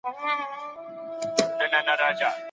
ما تاسي ته د هیواد د ابادۍ پېغام ولیکی.